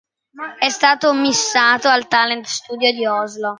È stato missato al Talent Studio di Oslo.